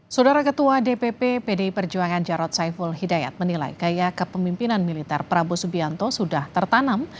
saudara ketua dpp pdi perjuangan jarod saiful hidayat menilai gaya kepemimpinan militer prabowo subianto sudah tertanam